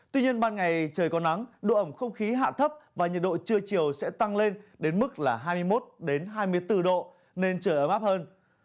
tuy nhiên ban ngày trời có nắng độ ẩm không khí hạ thấp và nhiệt độ trưa chiều sẽ tăng lên đến mức là hai mươi một hai mươi bốn độ nên trời ấm áp hơn